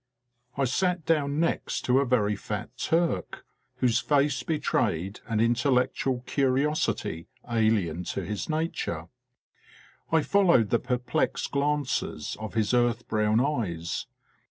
I sat down next to a very fat Turk, whose face be trayed an intellectual curiosity alien to his nature. I followed the perplexed glances of his earth brown eyes.